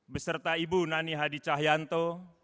beserta ibu nani hadi cahyanto